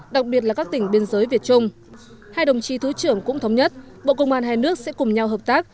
đặc biệt là các tỉnh biên giới việt trung hai đồng chí thứ trưởng cũng thống nhất bộ công an hai nước sẽ cùng nhau hợp tác